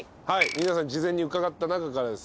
皆さん事前に伺った中からですね